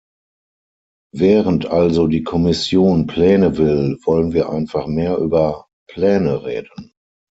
Während also die Kommission Pläne will, wollen wir einfach mehr über Pläne reden.